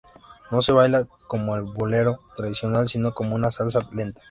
No se baila como el Bolero tradicional, sino como una salsa lenta.